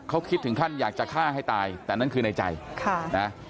เขาคิดถึงขั้นอยากจะฆ่าให้ตายแต่นั่นคือในใจค่ะนะ